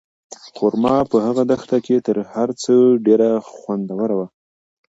خورما په هغه دښته کې تر هر څه ډېره خوندوره وه.